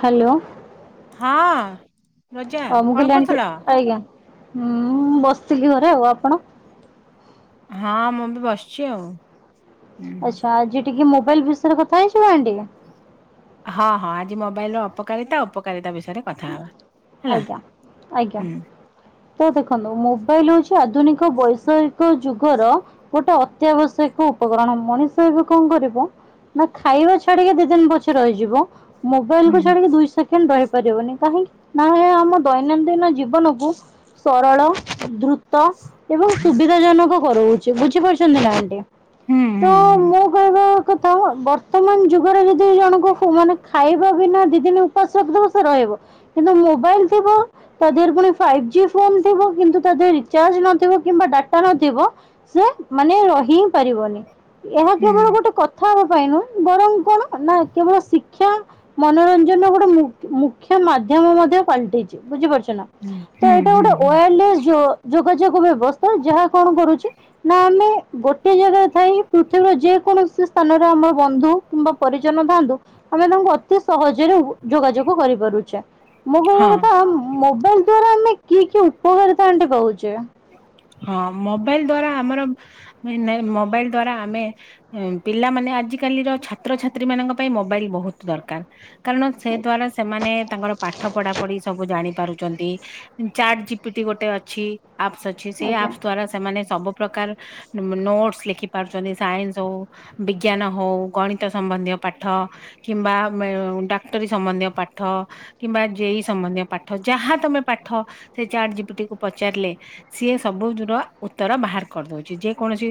Hello. ହଁ। ରୋଜା ହଉ ମୁଁ କଣ କହିଲି, ଆଣ୍ଟି କରୁଥିଲ? ଆଜ୍ଞା। ମୁଁ ବସିଥିଲି ଘରେ ଆଉ ଆପଣ? ହଁ, ମୁଁ ବି ବସିଛି ଆଉ। ହୁଁ ଆଚ୍ଛା ଆଜି ଟିକେ ମୋବାଇଲ ବିଷୟରେ କଥା ହେଇଯିବା ଆଣ୍ଟି। ହଁ, ହଁ। ଆଜି ମୋବାଇଲ ର ଅପକାରିତା, ଉପକାରିତା ବିଷୟରେ କଥା ହେବା। ଆଜ୍ଞା, ଆଜ୍ଞା। ତ ଦେଖନ୍ତୁ ମୋବାଇଲ ହଉଛି ଆଧୁନିକ ବୈଷୟ ୟିକ ଯୁଗର ଗୋଟେ ଅତ୍ୟାବଶ୍ୟକ ଉପକରଣ। ମଣିଷ ଏବେ କଣ କରିବ ନା ଖାଇବା ଛାଡିକି ଦି ଦିନ ପଛେ ରହିଯିବ। ମୋବାଇଲ ହୁଁ କୁ ଛାଡିକି ଦୁଇ ସେକେଣ୍ଡ ରହିପାରିବନି। କାହିଁକି? ନା ଏହା ଆମ ଦୈନନ୍ଦିନ ଜୀବନକୁ ସରଳ ଦ୍ରୁତ ଏବଂ ସୁବିଧା ଜନକ କରଉଛି। ବୁଝିପାରୁଛନ୍ତି ନା ଆଣ୍ଟି। ହୁଁ ତ ହୁଁ ହୁଁ ମୁଁ କହିବା କଥା ବର୍ତ୍ତମାନ ଯୁଗ ଭୋକରେ ଯଦି ଜଣଙ୍କୁ ମାନେ ଖାଇବ ବିନା ଦି ଦିନ ଉପାସ ରଖିଦେବ ସେ ରହିବ। କିନ୍ତୁ ମୋବାଇଲ ଥିବ ତା ଦେହରେ ପୁଣି ଫାଇବ ଜି ଫୋନ ଥିବ କିନ୍ତୁ ତା ଦେହରେ ରିଚାର୍ଜ ନଥିବ କିମ୍ବା ଡାଟା ନଥିବ ସେ ମାନେ ରହିହିଁ ପାରିବନି। ଏହା ହୁଁ କେବଳ ଗୋଟେ କ କଥା ହେବା ପାଇଁ ନୁହଁ ବରଂ କଣ ନା କେବଳ ଶିକ୍ଷା ମନୋରଞ୍ଜନର ଗୋଟେ ମୁଖ୍ୟ ମାଧ୍ୟ ମାଧ୍ୟମ ମଧ୍ୟ ପାଲଟିଛି ବୁଝିପାରୁଛ ନା। ହୁଁ ତ ହୁଁ ଏଇଟା ଗୋଟେ ହୁଁ ୱୟାରଲେସ୍ ଯୋ ଯୋଗାଯୋଗ ବ୍ୟବସ୍ଥା ଯାହା କଣ କରୁଛି ନା ଆମେ ଗୋଟେ ଜାଗାରେ ଥାଇ ପୃଥିବୀର ଯେ କୌଣସି ସ୍ଥାନରେ ଆମର ବନ୍ଧୁ କିମ୍ବା ପରିଜନ ଥାଆନ୍ତୁ ଆମେ ତାଙ୍କୁ ଅତି ସହଜରେ ଯୋଗାଯୋଗ କରିପାରୁଛେ। ମୁଁ କହିବା ହଁ କଥା ମୋବାଇଲ ଦ୍ଵାରା ଆମେ କି କି ଉପକାରିତା ଆଣ୍ଟି ପାଉଛେ। ହଁ ମୋବାଇଲ ଦ୍ଵାରା ଆମର ମୋବାଇଲ ଦ୍ଵାରା ଆମେ ପିଲାମାନେ ଆଜିକାଲିର ଛାତ୍ରଛାତ୍ରୀ ମାନଙ୍କ ପାଇଁ ମୋବାଇଲ ବହୁତ ଦରକାର। କାରଣ ସେ ଦ୍ୱାରା ସେ ସେମାନେ ତାଙ୍କର ପାଠ ପଢ଼ାପଢ଼ି ସବୁ ଜାଣିପାରୁଛନ୍ତି। ଚାଟ୍ ଜିପିଟି ଗୋଟେ ଅଛି। ଆପ୍ସ ଅଛି। ସେ ଆଜ୍ଞା ଆପ୍ସ ଦ୍ଵାରା ସେମାନେ ସବୁ ପ୍ରକାର ନୋଟସ ଲେଖି ପାରୁଛନ୍ତି। ସାଇନ୍ସ ହଉ, ବିଜ୍ଞାନ ହଉ, ଗଣିତ ସମ୍ବନ୍ଧୀୟ ପାଠ, କିମ୍ବା ଡାକ୍ଟରୀ ସମ୍ବନ୍ଧୀୟ ପାଠ, କିମ୍ବା ଜେଇ ସମ୍ବନ୍ଧୀୟ ପାଠ, ଯାହା ତମେ ପାଠ ସେ ଚାଟ ଜିପିଟିକୁ ପଚାରିଲେ ସିଏ ସବୁ ତୁର ଉତ୍ତର ବାହାର କରିଦଉଛି। ଯେ କୌଣସି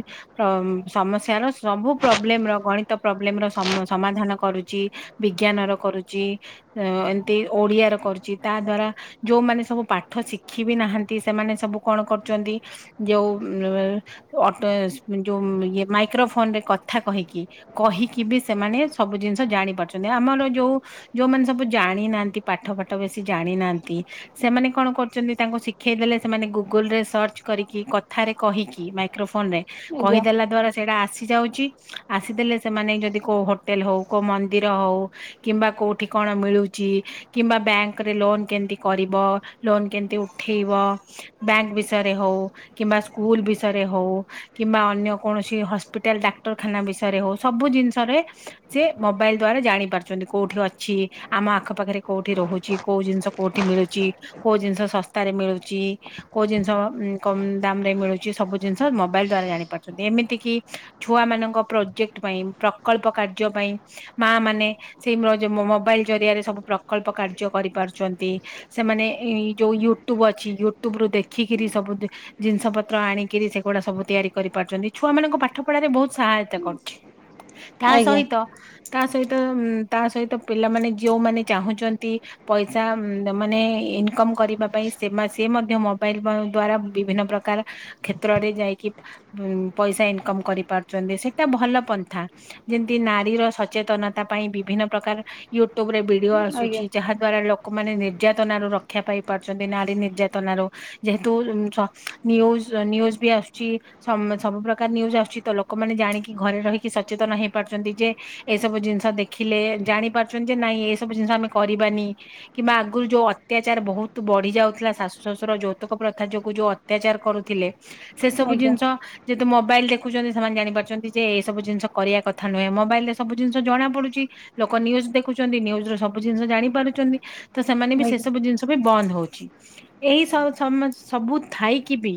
ସମସ୍ୟାର ସବୁ ପ୍ରୋବ୍ଲେମ ର ଗଣିତ ପ୍ରୋବ୍ଲେମ ର ସମାଧାନ କରୁଛି ବିଜ୍ଞାନ ର କରୁଛି। ଅ ଏମିତି ଓଡିଆ ର କରୁଛି ତା ଦ୍ଵାରା ଯୋଉମାନେ ସବୁ ପାଠ ଶିଖିବିି ନାହାନ୍ତି ସେମାନେ ସବୁ କଣ କରୁଛନ୍ତି ଯୋଉ ଅଟୋ ଯୋଉ ଇ ମାଇକ୍ରୋଫୋନ ରେ କଥା କହିକି କହିକି ବି ସେମାନେ ସବୁ ଜିନିଷ ଜାଣି ପାରୁଛନ୍ତି। ଆମର ଯୋଉ ଯୋଉମାନେ ସବୁ ଜାଣିନାହାନ୍ତି। ପାଠ ଫାଠ ବେଶୀ ଜାଣିନାହାନ୍ତି। ସେମାନେ କଣ କରୁଛନ୍ତି ତାଙ୍କୁ ଶିଖେଇ ଦେଲେ ସେମାନେ ଗୁଗଲରେ ସର୍ଚ୍ଚ କରିକି କଥାରେ କହିିକି ମଇକ୍ରୋଫୋନରେ ଆଜ୍ଞା। କହିଦେଲା ଦ୍ୱାରା ସେଇଟା ଆସି ଯାଉଛି। ଆସିଦେଲେ ସେମାନେ ଯଦି କୋଉ ହୋଟେଲ ହଉ କୋଉ ମନ୍ଦିର ହଉ କିମ୍ବା କୋଉଠି କଣ ମିଳୁଛି କିମ୍ବା ବ୍ୟାଙ୍କରେ ଲୋନ କେମତି କରିବ, ଲୋନ କେମତି ଉଠେଇବ, ବ୍ୟାଙ୍କ ବିଷୟରେ ହଉ, କିମ୍ବା ସ୍କୁଲ ବିଷୟରେ ହଉ। କିମ୍ବା ଅନ୍ୟ କୌଣସି ହସ୍ପିଟାଲ ଡାକ୍ତରଖାନା ବିଷୟରେ ହଉ ସବୁ ଜିନିଷରେ ସେ ମୋବାଇଲ ଦ୍ଵାରା ଜାଣି ପାରୁଛନ୍ତି କୋଉଠି ଅଛି, ଆମ ଆଖ ପାଖରେ କୋଉଠି ରହୁଛି, କୋଉ ଜିନିଷ କୋଉଠି ମିଳୁଛି କୋଉ ଜିନିଷ ଶସ୍ତାରେ ମିଳୁଛି। କୋଉ ଜିନିଷ କମ ଦାମ ରେ ମିଳୁଛି ସବୁ ଜିନିଷ ମୋବାଇଲ ଦ୍ଵାରା ଜାଣିପାରୁଛନ୍ତି। ଏମିତି କି ଛୁଆ ମାନଙ୍କ ପ୍ରୋଜେକ୍ଟ ପାଇଁ ପ୍ରକଳ୍ପ କାର୍ଯ୍ୟ ପାଇଁ ମା ମାନେ ସେଇ ମୋବାଇଲ ଜରିଆରେ ସବୁ ପ୍ରକଳ୍ପ କାର୍ଯ୍ୟ କରିପାରୁଚନ୍ତି। ସେମାନେ ଏଇ ଯୋଉ ୟୁଟ୍ୟୁବ ଅଛି ୟୁଟ୍ୟୁବରୁ ଦେଖିକିରି ସବୁ ଜିନଷ ପତ୍ର ଆଣିକିରି ସେଗୁଡା ସବୁ ତିଆରି କରିପାରୁଚନ୍ତି ଛୁଆମାନଙ୍କୁ ପାଠ ପଢାରେ ବୋହୁତ ସହାୟତା କରୁଚି। ତା ଆଜ୍ଞା ସହିତ ତା ସହିତ ତା ସହିତ ପିଲାମାନେ ଯୋଉମାନେ ଚାହୁଁଚନ୍ତି ପଇସା ମାନେ ଇନକମ କରିବା ପାଇଁ ସେ ମା ସିଏ ମଧ୍ୟ ମ ମୋବାଇଲ ପ ଦ୍ଵାରା ବିଭିନ୍ନ ପ୍ରକାର କ୍ଷେତ୍ରରେ ଯାଇକି ଉଁ ପଇସା ଇନକମ କରି ପାରୁଚନ୍ତି ସେଟା ଭଲ ପନ୍ଥା। ଯେମତି ନାରୀର ସଚେତନତା ପାଇଁ ବିଭିନ୍ନ ପ୍ରକାର ୟୁଟ୍ୟୁବରେ ଭି ଡ଼ିଓ ଆଜ୍ଞା ଆସୁଚି ଯାହା ଦ୍ଵାରା ଲୋକମାନେ ନିର୍ଯାତନରୁ ରକ୍ଷା ପାଇ ପାରୁଚନ୍ତି ନାରୀ ନିର୍ଯାତନାରୁ। ଯେହେତୁ ସ ନିୟୁଜ ନିୟୁଜ ବି ଆସୁଚି। ସମ ସବୁ ପ୍ରକାର ନିୟୁଜ ଆସୁଚି ତ ଲୋକମାନେ ଜାଣିକି ଘରେ ରହିକି ସଚେତନ ହେଇପାରୁଚନ୍ତି ଯେ ଏଇସବୁ ଜିନଷ ଦେଖିଲେ ଜାଣିପାରୁଚନ୍ତି ଯେ ନାଇଁ ଏସବୁ ଜିନଷ ଆମେ କରିବାନି। କିମ୍ବା ଆଗୁରୁ ଯୋଉ ଅତ୍ୟାଚାର ବୋହୁତ ବଢି ଯାଉଥିଲା ଶାଶୁ ଶାଶୁ ର ଯୌତୁକ ପ୍ରଥା ଯୋଗୁ ଯୋଉ ଅତ୍ୟାଚାର କରୁଥିଲେ ସେ ସବୁ ଜିନଷ ଯେହେତୁ ମୋବାଇଲ ଦେଖୁଚନ୍ତି ସେମାନେ ଜାଣିପାରୁଚନ୍ତି ଯେ ଏସବୁ ଜିନିଷ କରିବା କଥା ନୁହେଁ ମୋବାଇଲରେ ସବୁ ଜିନଷ ଜଣାପଡୁଚି ଲୋକ ନିୟୁଜ୍ ଦେଖୁଚନ୍ତି ନିୟୁଜରୁ ସବୁ ଜିନଷ ଜାଣିପାରୁଚନ୍ତି ତ ସେମାନେ ବି ଆଜ୍ଞା ସେସବୁ ଜିନଷ ବି ବନ୍ଦ ହୋଉଚି। ଏଇ ସ ସମ ସବୁ ଥାଇକି ବି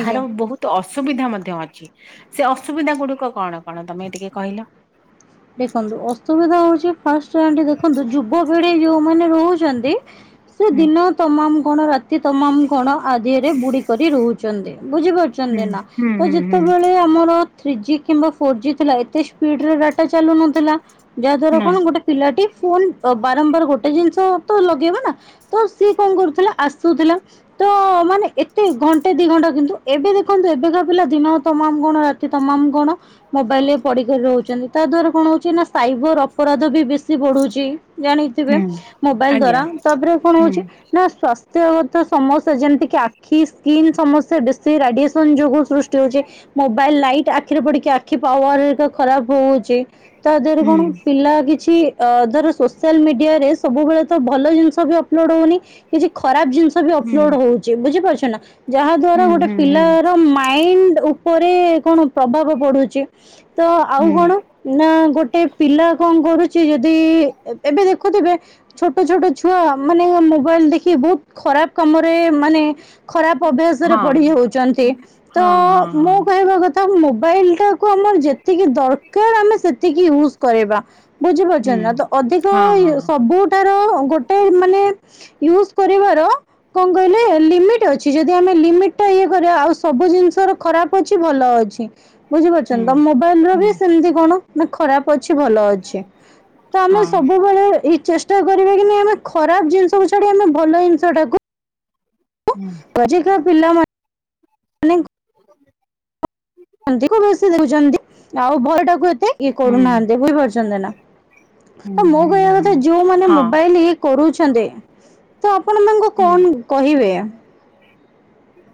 ଆଜ୍ଞା। ବୋହୁ ତ ଅସୁବିଧା ମଧ୍ୟ ଅଛି ସେ ଅସୁବିଧା ଗୁଡିକ କଣ କଣ ତମେ ଟିକେ କହିଲ। ଦେଖନ୍ତୁ ଅସୁବିଧା ହୋଉଚି ଫାଷ୍ଟ ଆଣ୍ଟି ଦେଖନ୍ତୁ ଯୁବପିଢି ଯୋଉମାନେ ରହୁଚନ୍ତି ସେ ହୁଁ ଦିନ ତମାମ କଣ ରାତି ତମାମ କଣ ଆ ଦିହରେ ବୁଡିକରି ରହୁଚନ୍ତି ବୁଝିପାରୁ ହୁଁ ସେମତି ନା ହୁଁ ତ ହୁଁ ହୁଁ ଯେତେବେଳେ ଆ ଆମର ଥ୍ରୀ ଜି କିମ୍ବା ଫୋର ଜି ଥିଲା ଏତେ ସ୍ପୀଡ଼ରେ ଡାଟ ଚାଲୁନଥିଲା ଯାହା ଦ୍ୱାରା ନା କଣ ଗୋଟେ ପିଲାଟି ଫୋନ୍ ବାରମ୍ବାର ଗୋଟେ ଜିନିଷ ତ ଲଗେଇବ ନା ତ ସିଏ କଣ କରୁଥୁଲା ଆସୁଥୁଲା ତ ମାନେ ଏତେ ଘଣ୍ଟେ ଦି ଘଣ୍ଟା କିନ୍ତୁ ଏବେ ଦେଖନ୍ତୁ ଏବେକା ପିଲା ଦିନ ତମାମ କଣ ରା ରାତି ତମାମ କଣ ମୋବାଇଲରେ ପଢିକିରି ରହୁଚନ୍ତି ତାଦ୍ଵାରା କଣ ହୋଉଚି ନା ସାଇବର ଅପରାଧ ବି ବେଶୀ ବଢୁଚି। ଜାଣିଥିବେ ହୁଁ ମୋବାଇଲ ଆଜ୍ଞା ଦ୍ଵାରା ତାପରେ କଣ ହୁଁ ହୋଉଚି ନା ସ୍ୱାସ୍ ନେତୃଗତ ସମସ୍ୟା ଯେମତିକି ଆଖି ସ୍କିନ୍ ସମସ୍ୟା ବେଶୀ ରାଡିଏସନ ଯୋଗୁ ସୃଷ୍ଟି ହୋଉଚି। ମୋବାଇଲ ଲାଇଟ୍ ଆଖିରେ ପଡିକି ଆଖି ପାୱାର ତ ଖରାପ ହୋଉ ତା ଦେହରେ ହୁଁ କଣ ପିଲା କିଛି ଅ ଧର ସୋସିଆଲ ମିଡିଆରେ ସବୁବେଳେ ତ ଭଲ ଜିନିଷ ବି ଅପଲୋଡ ହୋଉନି କିଛି ଖରାପ ଜିନଷ ହୁଁ ଅପଲୋଡ ହୋଉଚି ବୁଝିପାରୁଚେ ନା ଯାହା ହୁଁ ଦ୍ଵାରା ଗୋଟେ ହୁଁ ହୁଁ ପିଲାର ମାଇଣ୍ଡ ଉ ଉପରେ କଣ ପ୍ରଭାବ ପଡୁଚି ତ ଆଉ ହୁଁ କଣ ନା ଗୋଟେ ପିଲା କଣ କରୁଚି ଯଦି ଏବେ ଦେଖୁଥିବେ ଛୋଟ ଛୋଟ ଛୁଆମାନେ ଏ ମୋବାଇଲ ଦେଖିକି ବୋହୁତ ଖରାପ କାମରେ ମାନେ ଖରାପ ଅଭ୍ୟାସରେ ହଁ ପଢି ହୋଉଚନ୍ତି ତ ହଁ ହଁ ହଁ ମୁଁ କହିବା କ ମୋବାଇଲଟାକୁ ଆମର ଯେତିକି ଦରକାର ଆମେ ସେତିକି ୟୁଜ କରିବା ହୁଁ ବୁଝିପାରୁଚନ୍ତି ନା ତ ଅଧିକ ହଁ ହଁ ସବୁଠାର ଗୋଟେ ମାନେ ୟୁଜ କରିବାର କଣ କହିଲେ ଲିମିଟ୍ ଅଛି ଯଦି ଆମେ ଲିମିଟଟା ଇଏ କରିବା ଆଉ ସବୁ ଜିନିଷର ଖରାପ ଅଛି ଭଲ ଅଛି। ବୁଝିପାରୁଛନ୍ତି ହୁଁ ତ ମୋବାଇଲର ବି ହୁଁ ସେମତି କଣ ନା ଖରାପ ଅଛି ଭଲ ଅଛି ତ ଆମେ ହଁ ସବୁବେଳେ ଏଇ ଚେଷ୍ କରିବେ କି ନାଇଁ ଆମେ ଖରାପ ଜିନିକୁୁ ଛାଡି ଆମେ ଭଲ ଜିନିଷଟାକୁ ହୁଁ। ଆଜିକାର ପିଲାମା ମାନେ ହେନ୍ତି କଉ ବେସୀ ଦଉଛନ୍ତି ଆଉ ଭଲଟାକୁ ଏତେ ଇଏ ହୁଁ କରୁନାହାନ୍ତି ବୁଝିପାରୁଛନ୍ତି ନା ତ ମୋ ହୁଁ ହୁଁ କହିବା ହୁଁ କଥା ଯୋଉମାନ ହଁ ମୋବାଇଲ କରୁଛନ୍ତି ତ ଆପଣ ତାଙ୍କୁ ହୁଁ କଣ କହିବେ?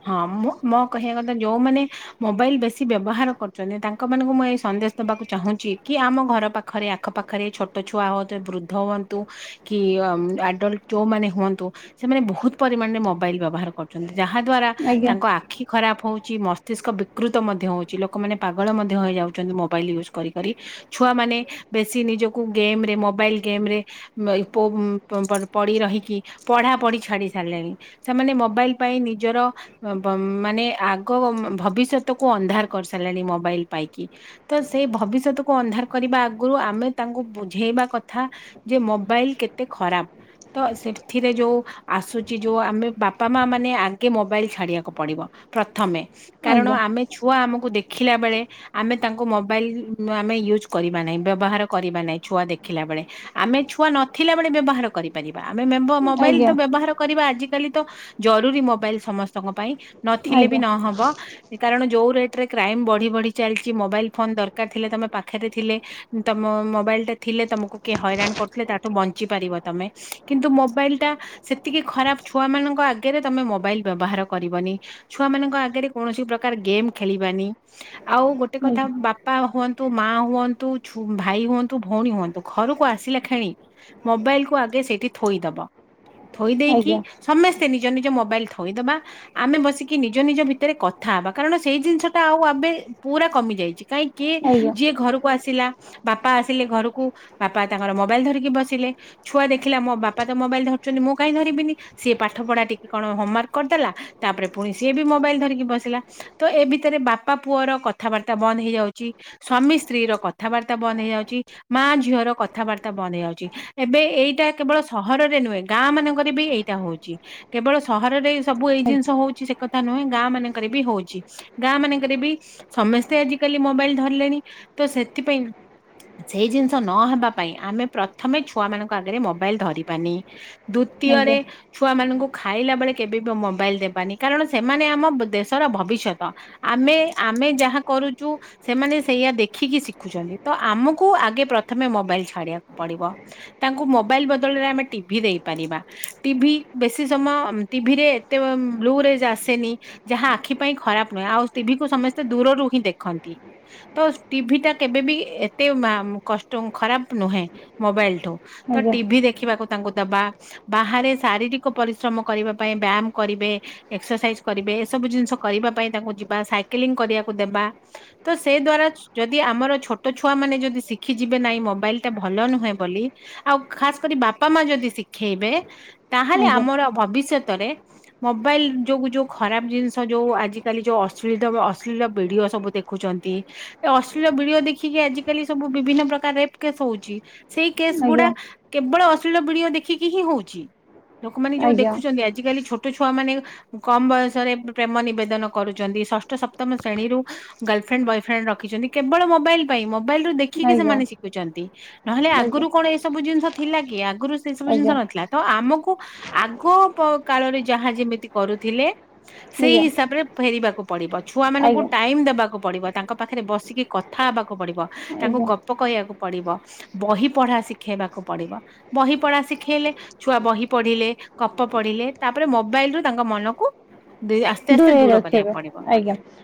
ହଁ ମୁଁ ମୋ କହିବା କଥା ଯୋଉମାନେ ମୋବାଇଲ ବେଶୀ ବ୍ୟବହାର କରୁଛନ୍ତି ତାଙ୍କ ମାନଙ୍କୁ ମୁଁ ଏଇ ସନ୍ଦେଶ ଦେବାକୁ ଚାହୁଁଛି କି ଆମ ଘର ପାଖରେ ଆଖପାଖ ଘରେ ଛୋଟ ଛୁଆ ହୁଅତୁ ବୃଦ୍ଧ ହୁଅନ୍ତୁ କି ଆଡଲ୍ଟ ଯୋଉମାନେ ହୁଅନ୍ତୁ ସେମାନେ ବହୁତ ପରିମାଣରେ ମୋବାଇଲ ବ୍ୟବହାର କରୁଛନ୍ତି। ଯାହା ଦ୍ଵାରା ଆଜ୍ଞା ତାଙ୍କ ଆ ଆଖି ଖରାପ ହଉଛି ମସ୍ତିଷ୍କ ବିକୃତ ମଧ୍ୟ ହେଉଛି ଲୋକମାନେ ପାଗଳ ମଧ୍ୟ ହୋଇଯାଉଛନ୍ତି ମୋବାଇଲ୍ ୟୁଜ୍ କରିି କରି। ଛୁଆ ମାନେ ବେଶୀ ନିଜକୁ ଗେମ ରେ ମୋବାଇଲ ଗେମ ରେ ଏଇ ପୋ ପଡି ରହିକି ପଢା ପଢି ଛାଡି ସାରିଲେଣି ସେମାନେ ମୋବାଇଲ ପାଇଁ ନିଜର ମାନେ ଆଗ ଭବିଷ୍ୟତକୁୁ ଅନ୍ଧାର କରିସାରିଲାଣି ମୋବାଇଲ ପାଇକି ତ ସେଇ ଭବିଷ୍ୟତକୁ ଅନ୍ଧାର କରିବା ଆଗରୁ ଆମେ ତାଙ୍କୁ ବୁଝେଇବା କଥା ଯେ ମୋବାଇଲ କେତେ ଖରାପ। ତ ସେଥିରେ ଯୋଉ ଆସୁଛି ଯୋଉ ଆମେ ବାପା ମାଆ ମା ନେ ଆଗେ ମୋବାଇଲ ଛାଡିବାକୁ ପଡିବ ପ୍ରଥମେ କାରଣ ଆଜ୍ଞା ଆମେ ଛୁଆ ଆମକୁ ଦେଖିଲା ବେଳେ ଆମେ ତାଙ୍କୁ ମୋବାଇଲ ଆମେ ୟୁଜ କରିବା ନାଇଁ ବ୍ୟବହାର କରିବା ନାଇଁ ଛୁଆ ଦେଖିଲା ବେଳେ। ଆମେ ଛୁଆ ନଥିଲା ବେଳେ ବ୍ୟବହାର କରିପାରିବା ଆମେ ମେମ୍ବ ମୋବାଇଲ ତ ଆଜ୍ଞା ବ୍ୟବହାର କରିବା ଆଜିକାଲି ତ ଜରୁରୀ ମୋବାଇଲ ସମସ୍ତଙ୍କ ପାଇଁ ନଥିଲେ ବି ଆଜ୍ଞା ନହବ। କାରଣ ଯୋଉ ରେଟ ରେ କ୍ରାଇମ ବଢି ବଢି ଚାଲିଛି ମୋବାଇଲ ଫୋନ ଦରକାର ଥିଲେ ତମେ ପାଖରେ ଥିଲେ ତମ ମୋବାଇଲ ଟା ଥିଲେ ତମକୁ କିଏ ହଇରାଣ କରୁଥିଲେ ତାଠୁ ବଞ୍ଚି ପାରିବ ତମେ କିନ୍ତୁ ମୋବାଇଲ ଟା ସେତିକି ଖରାପ ଛୁଆ ମାନଙ୍କ ଆଗ ଜେ ତମେ ମୋବାଇଲ ବ୍ୟବହାର କରିବନି ଛୁଆ ମାନଙ୍କ ଆଗରେ କୌଣସି ପ୍ରକାର ଗେମ୍ ଖେଳିବାନି। ଆଉ ଗୋଟେ କଥା ବା ବାପା ହୁଅନ୍ତୁ ମା ହୁଅନ୍ତୁ ଛୁ ଭାଇ ହୁଅନ୍ତୁ ଭଉଣୀ ହୁଅନ୍ତୁ ଘରକୁ ଆସିଲା ଖେଣି ମୋବାଇଲକୁୁ ଆଗେ ସେଠି ଥୋଇଦବ ଥୋଇ ଦେଇକି ଆଜ୍ଞା ଆଜ୍ଞା ସମେସ୍ ମେସ୍ତେ ନିଜ ନିଜ ମୋବାଇଲ ଥୋଇଦବା। ଆମେ ବସିକି ନିଜ ନିଜ ଭିତରେ କଥା ହେବା କାରଣ ସେଇ ଜିନିଷ ଟା ଆଉ ଆବେ ପୁରା କମି ଯାଇଛି କାହିଁକି କିଏ ଯିଏ ଘରକୁ ଆସିଲା ବାପା ଆସିଲେ ଘରକୁ ବାପା ତାଙ୍କର ମୋବାଇଲ ଧରିକି ବସିଲେ। ଛୁଆ ଦେଖିଲା ମୋ ବାପା ତ ମୋବାଇଲ ଧରୁଛନ୍ତି ମୁଁ କାହିଁକି ଧରିବିନି ସିଏ ପା ପାଠ ପଢା ଟିକେ କଣ ହୋମୱାର୍କ କରିଦେଲା ତାପରେ ପୁଣି ସିଏ ବି ମୋବାଇଲ ଧରିକି ବସିଲା। ତ ଏ ଭିତରେ ବାପା ପୁଅର କଥାବାର୍ତ୍ତା ବନ୍ଦ ହେଇଯାଉଛି। ସ୍ଵାମୀ ସ୍ତ୍ରୀ ର କଥାବାର୍ତ୍ତା ବନ୍ଦ ହେଇଯାଉଛି ମା ଝିଅ ର କଥାବାର୍ତ୍ତା ବନ୍ଦ ହେଇଯାଉଛି। ଏବେ ଏଇଟା କେବଳ ସହରରେ ନୁହେଁ ଗାଁ ମାନଙ୍କରେ ବି ଏଇଟା ହଉଛି। କେବଳ ସହରରେ ସବୁ ଏଇ ଜିନିଷ ହଉଛି ସେ କଥା ନୁହେଁ ଗାଁ ମାନେଙ୍କେ ରେ ବି ହଉଛି ଗାଁ ମାନେଙ୍କେରେ ବି ସମେସ୍ତେ ଆଜିିକାଲି ମୋବାଇଲ ଧରିଲେଣି ତ ସେଥିପାଇଁ ସେଇ ଜିନିଷ ନହବା ପାଇଁ ଆମେ ପ୍ରଥମେ ଛୁଆ ମାନଙ୍କ ଆଗରେ ମୋବାଇଲ ଧରିବାନି। ଆଜ୍ଞା ଦ୍ଵିତୀୟରେ। ଆଜ୍ଞା ଛୁଆମାନଙ୍କୁ ଖାଇଲାବେଳେ କେବେ ବି ମୋବାଇଲ୍ ଦେବାନି କାରଣ ସେମାନେ ଆମ ଦେଶର ଭବିଷ୍ୟତ। ଆମେ ଆମେ ଯାହା କରୁଛୁ ସେମାନେ ସେଇଆ ଦେଖିକି ଶିଖୁଛନ୍ତି ତ ଆମକୁ ଆଗେ ପ୍ରଥମେ ମୋବାଇଲ ଛାଡିବାକୁ ପଡିବ। ତାଙ୍କୁ ମୋବାଇଲ ବଦଳରେ ଆମେ ଟିଭି ଦେଇ ପାରିବା ଟିଭି ବେଶି ସମୟ ଟିଭି ରେ ଏତେ ବ୍ଲୁ ରେଜ୍ ଆସେନି। ଯାହା ଆଖି ପାଇଁ ଖରାପ ନୁହେଁ ଆଉ ଟିଭିକୁ ସମସ୍ତେ ଦୂରରୁ ହିଁ ଦେଖନ୍ତି। ତ ଟିଭି ଟା କେବେବି ଏତେ କଷ୍ଟ ଖରାପ ନୁହେଁ ମୋବାଇଲଠୁ। ତ ଆଜ୍ଞା ଟିଭି ଦେଖିବାକୁ ତାଙ୍କୁ ଦବା ବାହାରେ ଶାରୀରି କ ପରିଶ୍ରମ କରିବା ପାଇଁ ବ୍ୟାୟାମ କରିବେ ଏକ୍ସରସାଇଜ କରିବେ ଏସବୁ ଜିନିଷ କରିବା ପାଇଁ ତାଙ୍କୁ ଯିବା ସାଇକେଲିଂ କରିବାକୁ ଦେବା। ତ ସେଇ ଦ୍ଵାରା ଯଦି ଆମର ଛୋଟ ଛୁଆ ମାନେ ଯଦି ଶିଖିଯିବେ ନାହିଁ ମୋବାଇଲ ଟା ଭଲ ନୁହେଁ ବୋଲି ଆଉ ଖାସ କରି ବାପା ମା ଯଦି ଶିଖେଇବେ ତାହେଲେ ଆମର ଭବିଷ୍ୟତରେ ମୋବାଇଲ ଯୋଗୁ ଯୋଉ ଖରାପ ଜିନିଷ ଯୋଉ ଆଜିକାଲି ଅଶ୍ଳୀତ ଅଶ୍ଳୀଳ ଭିଡିଓ ସବୁ ଦେଖୁ ଖୁଛନ୍ତି ଅଶ୍ଳୀଳ ଭିଡିଓ ଦେଖିକି ଆଜିକାଲି ସବୁ ବିଭିନ୍ନ ପ୍ରକାର ରେପ୍ କେସ୍ ହଉଛି। ସେଇ କେସ୍ ଗୁଡା ଆଜ୍ଞା କେବଳ ଅଶ୍ଳୀଳ ଭିଡିଓ ଦେଖିକି ହିଁ ହଉଛି। ଲୋକମାନେ ଆଜ୍ଞା ଯୋଉ ଆଜ୍ଞା ଦେଖୁଛନ୍ତି ଆଜିକାଲି ଛୋ ଟ ଛୁଆ ମାନେ କମ ବୟସରେ ପ୍ରେମ ନିବେଦନ କରୁଛନ୍ତି ଷଷ୍ଠ ସପ୍ତମ ଶ୍ରେଣୀରୁ। ଗର୍ଲଫ୍ରେଣ୍ଡ ବୟଫ୍ରେଣ୍ଡ ରଖିଛନ୍ତି କେବଳ ମୋବାଇଲ ପାଇଁ ମୋବାଇଲରୁ ଦେଖିକି ଆଜ୍ଞା ସେମାନେ ଶିଖୁଛନ୍ତି ନହଲେ ଆଜ୍ଞା ଆଗରୁ କଣ ଏସବୁ ଜିନିଷ ଥିଲା କି ଆଗରୁ? ସେ ସବୁ ଆଜ୍ଞା ଜିନିଷ ନଥିଲା ତ ଆମକୁ ଆଗ କାଳରେ ଯାହା ଯେମିତି କରୁଥିଲେ ସେଇ ଆଜ୍ଞା ହିସାବରେ ଫେରିବାକୁ ପଡିବ ଛୁଆ ମାନଙ୍କୁ ଆଜ୍ଞା ଟାଇମ୍ ଦେବାକୁ। ପଡିବ ତାଙ୍କ ପାଖରେ ବସିକି କଥା ହେବାକୁ ପଡିବ ତାଙ୍କୁ ଆଜ୍ଞା। ଗପ କହିବାକୁ ପଡିବ। ବହି ପଢା ଶିଖେଇବାକୁ ପଡିବ ବହି ପଢା ଶିଖେଇଲେ ଛୁଆ ବହି ପଢିଲେ ଗପ ପଢିଲେ ତାପରେ ମୋବାଇଲ ରୁ ତାଙ୍କ ମନକୁ ଆସ୍ତେ ଆସ୍ତେ ଦୂରେଇ ଦୂର କରିବାକୁ ପଡିବ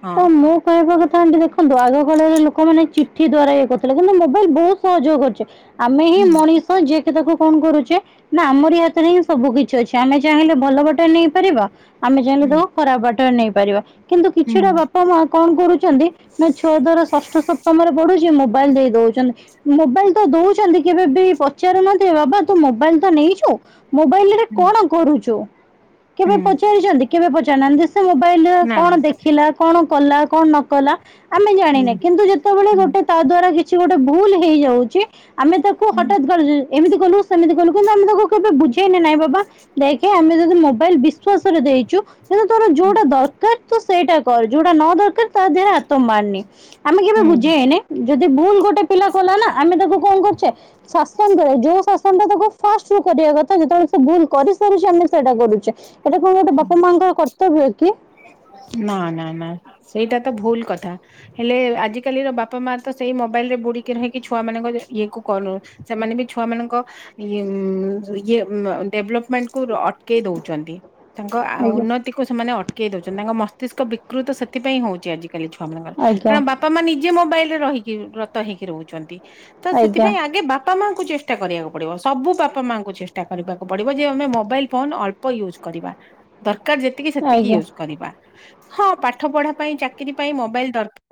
ହଁ। ମୋ କହିବା କଥା ଦେଖନ୍ତୁ ଆଗକାଳରେ ଲୋକମାନେ ଚିଠି ଦ୍ଵାରା ଇଏ କରୁଥିଲେ କିନ୍ତୁ ମୋବାଇଲ ବହୁତ ସହଯୋଗ କରୁଛି। ଆମେ ହିଁ ହୁଁ ମଣିଷ ଯିଏକ ତାକୁ କଣ କରୁଛେ ନା ଆମରି ହାତରେ ହିଁ ସବୁ କିିଛି ଅଛି ଆମେ ଚାହିଁଲେ ଭଲ ବାଟେ ନେଇପାରିବା ଆମେ ଚାହିଁଲେ ହୁଁ ତାକୁ ଖରାପ ବାଟରେ ନେଇପାରିବା କିନ୍ତୁ ହୁଁ କିଛିଟା ବାପା ମା କଣ କରୁଛନ୍ତି ନା ଛୁଆ ଦ୍ୱାରା ଷଷ୍ଠ ସପ୍ତମ ରେ ପଢୁଛି ମୋବାଇଲ ଦେଇ ଦଉଛନ୍ତି। ମୋବାଇଲ ତ ଦଉଛନ୍ତି କେବେ ବି ପଚାରୁନଥିବ ବାବା ତୁ ମୋବାଇଲ ତ ନେଇଛୁ ମୋବାଇଲ ରେ ହୁଁ କଣ କରୁଛୁ କେବେ ହୁଁ ପଚାରିଛନ୍ତି କେବେ ପଚାରନାହାନ୍ତି। ସେ ମୋବାଇଲରେ ନା କଣ ଦେଖିଲା କଣ କଲା କଣ ନ କଲା। ଆମେ ହୁଁ ଜାଣିନେ କିନ୍ତୁ ଯେତେବେଳେ ହୁଁ ଗୋଟେ ତା ଦ୍ଵାରା କିଛି ଗୋଟେ ଭୁଲ ହେଇଯାଉଛି ଆମେ ତାକୁ ହଠାତ୍ ହୁଁ କରୁ ଏମିତି କଲୁ ସେମିତି କଲୁ କିନ୍ତୁ ଆମେ ତାକୁ କେ ବୁଝେଇନ ନାଇଁ ବାବା ଦେଖେ ଆମେ ଯଦି ମୋବାଇଲ ବିଶ୍ଵାସରେ ଦେଇଛୁ। କିନ୍ତୁ ତୋର ଯୋଉଟା ଦରକାର ତୁ ସେଇଟା କର ଯୋଉଟା ନ ଦରକାର। ତା ଦେହରେ ହାତ ମାରେନି ଆମେ କେବେ ହୁଁ ବୁଝେଇନି ଯଦି ଭୁଲ ଗୋଟେ ପିଲା କଲା ନା। ଆମେ ତାକୁ କଣ କରୁଛେ ଶାସନ ଯୋଉ ଶାସନ ଟା ତାକୁ ଫାଷ୍ଟ ରୁ କରିବା କଥା ଯେତେବେଳେ ସେ ଭୁଲ କରିସାରଛି ଆମେ ସେଇଟା କରୁଛେ। ଏଇଟା କଣ ଗୋଟେ ବାପା ମାଆଙ୍କର କର୍ତ୍ତବ୍ୟ କି। ନା ନା ନା ସେଇଟା ତ ଭୁଲ କଥା। ହେଲେ ଆଜିକାଲିର ବାପା ମା ତ ସେଇ ମୋବାଇଲ ରେ ବୁଡିକି ରହିକି ଛୁଆ ମାନଙ୍କ ଇଏ କୁ କଲ ସେମାନେ ବି ଛୁଆ ମାନଙ୍କ ଇଏ ଡ଼େଭେଲପ୍ ମେଣ୍ଟକୁର ଅଟକେଇ ଦେଉଛନ୍ତି। ତାଙ୍କ ଆ ଆଜ୍ଞା ଉନ୍ନତିକୁ ସେମାନେ ଅଟ କେଇ ଦଉଛନ୍ତି। ତାଙ୍କ ମସ୍ତିଷ୍କ ବିକୃତ ସେଥିପାଇଁ ହଉଛି ଆଜିକାଲି ଛୁଆ ମାନଙ୍କର। ଆଜ୍ଞା କାରଣ ବା ବାପା ମା ନିଜେ ମୋବାଇଲ ରେ ରହିକି ରତ ହେଇକି ରହୁଛନ୍ତି। ତ ଆଜ୍ଞା ସେଥିପାଇଁ ଆଗେ ବାପା ବାପା ମାଙ୍କୁ ଚେଷ୍ଟା କରିବାକୁ ପଡିବ। ସବୁ ବାପା ମାଙ୍କୁ ଚେଷ୍ଟା କରିବାକୁ ପଡିବ। ଯେ ଆମେ ମୋବାଇଲ ଫୋନ୍ ଅଳ୍ପ ୟୁଜ୍ କରିବା ଦରକାର ଯେ ତିକି ସେତିକି ଆଜ୍ଞା। ୟୁଜ୍ କରିବା। ହଁ ପାଠ ପଢା ପାଇଁ ଚାକିରି ପାଇଁ ମୋବାଇଲ ଦର